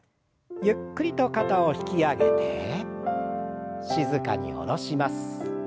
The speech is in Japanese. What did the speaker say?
ゆっくりと肩を引き上げて静かに下ろします。